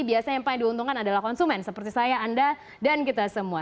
biasanya yang paling diuntungkan adalah konsumen seperti saya anda dan kita semua